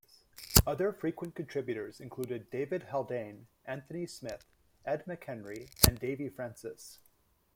Other frequent contributors included David Haldane, Anthony Smith, Ed McHenry and Davy Francis.